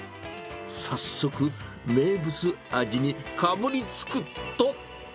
早速、名物味にかぶりつくと。